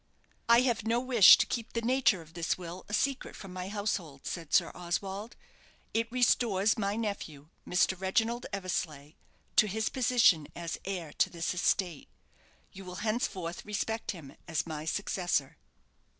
"I have no wish to keep the nature of this will a secret from my household," said Sir Oswald. "It restores my nephew, Mr. Reginald Eversleigh, to his position as heir to this estate. You will henceforth respect him as my successor."